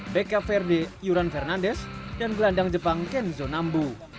beca verde yuran fernandes dan gelandang jepang kenzo nambu